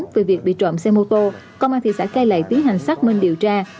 về việc bị trộm xe mô tô công an thị xã cai lệ tiến hành xác minh điều tra